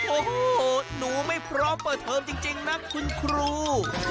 โอ้โหหนูไม่พร้อมเปิดเทอมจริงนะคุณครู